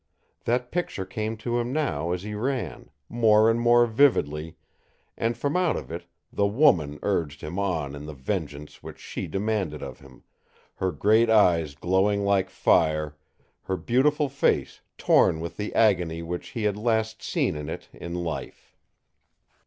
That picture came to him now as he ran, more and more vividly, and from out of it the woman urged him on to the vengeance which she demanded of him, her great eyes glowing like fire, her beautiful face torn with the agony which he had last seen in it in life.